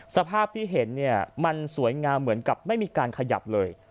สภาพที่เห็นเนี่ยมันสวยงามเหมือนกับไม่มีการขยับเลย